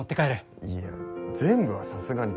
いや全部はさすがに。